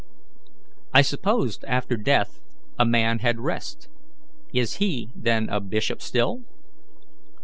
"I supposed after death a man had rest. Is he, then, a bishop still?"